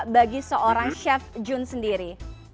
bagi seorang chef jun sendiri